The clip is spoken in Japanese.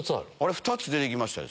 ２つ出て来ました。